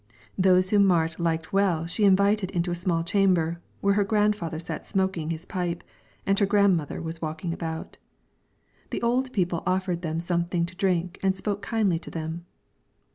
Those whom Marit liked well she invited into a small chamber, where her grandfather sat smoking his pipe, and her grandmother was walking about. The old people offered them something to drink and spoke kindly to them.